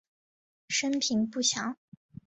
生平不详。